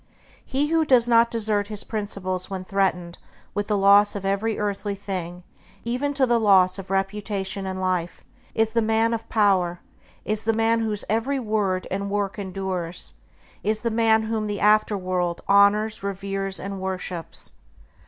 He who does not desert his principles when threatened with the loss of every earthly thing, even to the loss of reputation and life, is the man of power; is the man whose every word and work endures; is the man whom the afterworld honors, reveres, and worships.